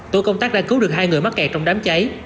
tổ công tác đã cứu được hai người mắc kẹt trong đám cháy